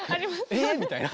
え⁉みたいな。